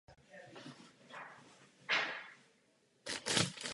Obě křídla měla stejné rozpětí.